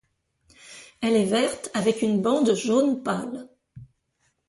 Elle est verte avec une bande jaune pâle.